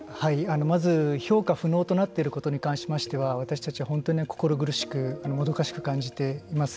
まず評価不能となっていることに関しては私たち本当に心苦しくもどかしく感じています。